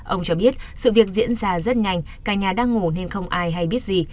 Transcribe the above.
ông cho biết sự việc diễn ra rất nhanh cả nhà đang ngủ nên không ai hay biết gì